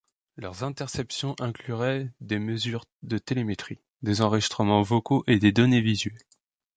Leurs interceptions incluraient des mesures de télémétrie, des enregistrements vocaux et des données visuelles.